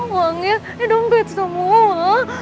uangnya dompet semua